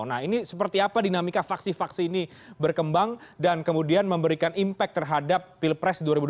nah ini seperti apa dinamika faksi faksi ini berkembang dan kemudian memberikan impact terhadap pilpres dua ribu dua puluh